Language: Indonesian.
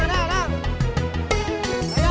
ledang ledang ledang